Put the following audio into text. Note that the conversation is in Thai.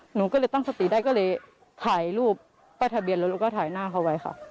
หนูก็เลยตั้งสติได้ก็เลยถ่ายรูปป้ายทะเบียนรถแล้วก็ถ่ายหน้าเขาไว้ค่ะ